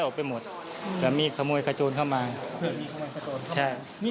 นอนตรงนี้อยู่๒รูปตรงนี้